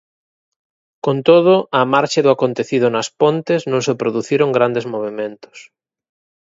Con todo, á marxe do acontecido nas Pontes, non se produciron grandes movementos.